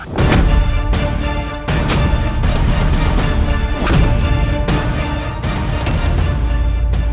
hancurkan pajak jarak